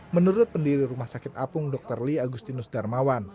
menurut pendiri rumah sakit apung dr lee agustinus darmawan